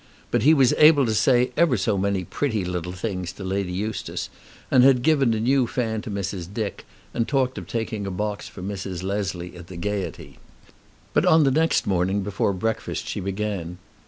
But he was able to say ever so many pretty little things to Lady Eustace, and had given a new fan to Mrs. Dick, and talked of taking a box for Mrs. Leslie at The Gaiety. But on the next morning before breakfast she began.